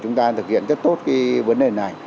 chúng ta thực hiện rất tốt cái vấn đề này